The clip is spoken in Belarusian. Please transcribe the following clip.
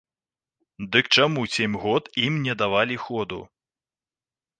Дык чаму сем год ім не давалі ходу?